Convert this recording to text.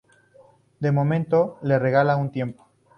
De momento le regala un tiempo.